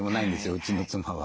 うちの妻は。